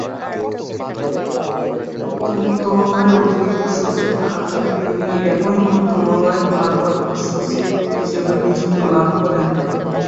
তথ্য মন্ত্রণালয়ের অতিরিক্ত সচিব থাকা কালে তিনি একই মন্ত্রণালয়ের ভারপ্রাপ্ত সচিব হিসেবে নিযুক্তি লাভ করেন।